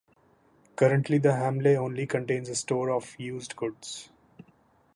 Currently the hamlet only contains a store of used goods.